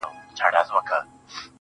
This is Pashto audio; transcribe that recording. سردونو ویښ نه کړای سو